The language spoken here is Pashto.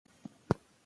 پښتو ژبه زموږ عزت دی.